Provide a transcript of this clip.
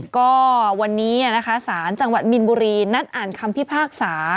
ก็วันนี้นะคะสารจังหวัดมินบุรีนัดอ่านคำพิพากษา